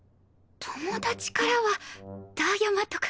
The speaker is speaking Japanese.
友達からは「だーやま」とか。